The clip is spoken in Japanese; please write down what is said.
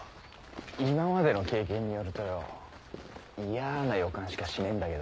今までの経験によるとよイヤな予感しかしねえんだけどよ。